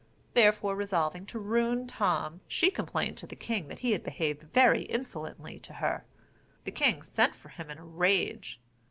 Therefore, resolving to ruin Tom, she complained to the king that he had behaved very insolently to her. The king sent for him in a rage.